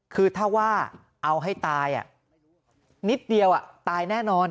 คือถ้าว่าเอาให้ตายนิดเดียวตายแน่นอน